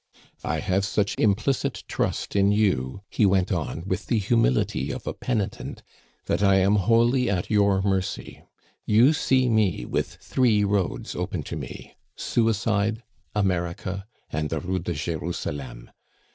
"I have such implicit trust in you," he went on, with the humility of a penitent, "that I am wholly at your mercy. You see me with three roads open to me suicide, America, and the Rue de Jerusalem.